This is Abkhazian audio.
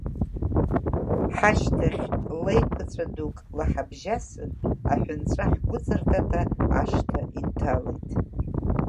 Ҳашьҭахь ла еиқәаҵәа дук лаҳабжьасын, аҳәынҵәа ҳгәыҵартата ашҭа инҭалеит.